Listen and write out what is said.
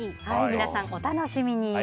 皆さんお楽しみに。